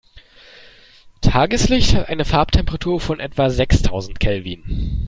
Tageslicht hat eine Farbtemperatur von etwa sechstausend Kelvin.